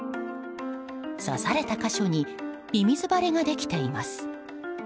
刺された箇所にミミズ腫れができています。